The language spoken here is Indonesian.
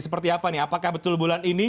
seperti apa nih apakah betul bulan ini